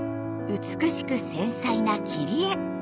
美しく繊細な切り絵！